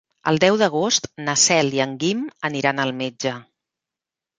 El deu d'agost na Cel i en Guim aniran al metge.